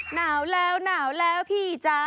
หนาวแล้วแล้วพี่จ้า